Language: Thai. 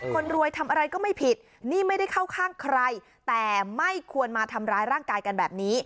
คนรวยทำอะไรก็ไม่ผิดนี่ไม่ได้เข้าข้างใครแต่ไม่ควรมาทำร้ายร่างกายกันแบบนี้